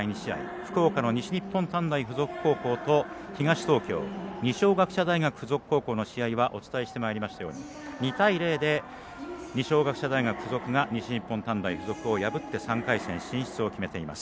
福岡の西日本短大付属高校と東東京、二松学舎大学付属高校の試合はお伝えしてまいりましたように２対０で二松学舎大付属が西日本短大付属を破って３回戦進出を決めています。